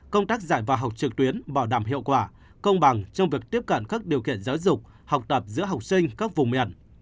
công tác dạy và học trực tuyến bảo đảm hiệu quả công bằng trong việc tiếp cận các điều kiện giáo dục học tập giữa học sinh các vùng miền